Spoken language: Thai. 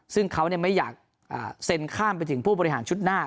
ซึ่งเขาไม่อยากเซ็นข้ามไปถึงผู้บริหารชุดหน้า